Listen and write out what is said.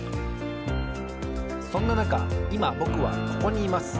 そんななかいまぼくはここにいます。